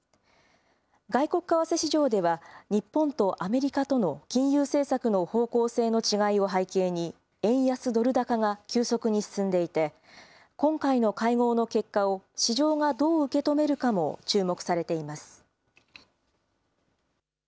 外国為替市場では日本とアメリカとの金融政策の方向性の違いを背景に円安ドル高が急速に進んでいて今回の会合の結果を市場がどう受け止めるかも注目されています。